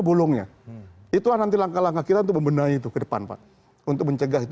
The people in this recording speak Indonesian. bolongnya itulah nanti langkah langkah kita untuk membenahi itu ke depan pak untuk mencegah itu